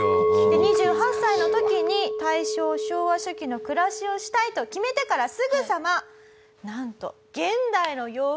２８歳の時に大正昭和初期の暮らしをしたいと決めてからすぐさまなんと。